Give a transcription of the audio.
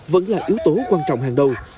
vẫn là yếu tố quan trọng hàng đầu